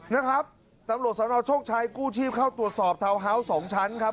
นะครับตำรวจสนโชคชัยกู้ชีพเข้าตรวจสอบทาวน์ฮาวส์สองชั้นครับ